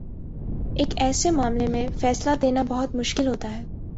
ایک ایسے معاملے میں فیصلہ دینا بہت مشکل ہوتا ہے۔